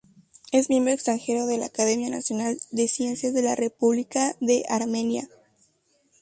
Es miembro extranjero de la Academia Nacional de Ciencias de la República de Armenia.